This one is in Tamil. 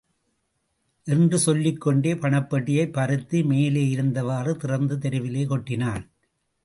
என்று சொல்லிக் கொண்டே பணப் பெட்டியைப் பறித்து மேலேயிருந்தவாறு திறந்து தெருவிலே கொட்டினான்.